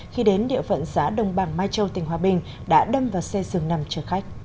khi đến địa phận xã đồng bằng mai châu tỉnh hòa bình đã đâm vào xe dừng nằm chờ khách